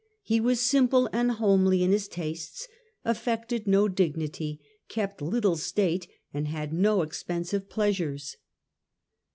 He was simple and homely in his tastes, affected no dignity, kept little state, and had no expensive pleasure s.